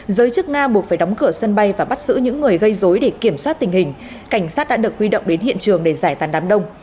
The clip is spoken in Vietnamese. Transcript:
giới chức nga buộc phải đóng cửa sân bay và bắt giữ những người gây dối để kiểm soát tình hình cảnh sát đã được huy động đến hiện trường để giải tàn đám đông